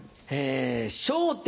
『笑点』